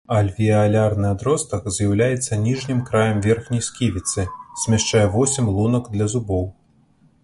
Альвеалярны адростак з'яўляецца ніжнім краем верхняй сківіцы, змяшчае восем лунак для зубоў.